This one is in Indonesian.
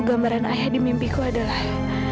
gambaran ayah di mimpiku adalah